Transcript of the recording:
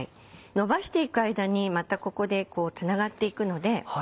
のばしていく間にまたここでつながっていくので。